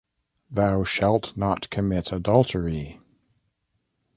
Thou shalt not commit adultery.